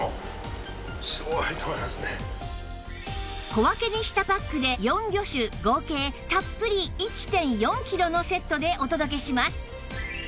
小分けにしたパックで４魚種合計たっぷり １．４ キロのセットでお届けします